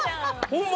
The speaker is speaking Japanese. ホンマ